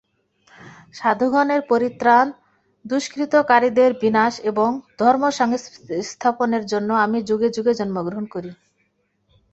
সাধুগণের পরিত্রাণ, দুষ্কৃতকারীদের বিনাশ এবং ধর্মসংস্থাপনের জন্য আমি যুগে যুগে জন্মগ্রহণ করি।